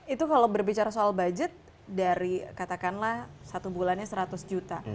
itu kalau berbicara soal budget dari katakanlah satu bulannya seratus juta